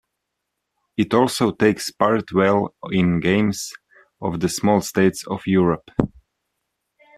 It also takes part well in Games of the Small States of Europe.